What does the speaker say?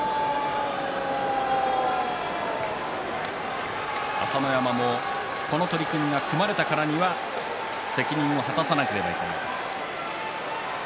拍手朝乃山もこの取組が組まれたからには、責任を果たさなければいけないと。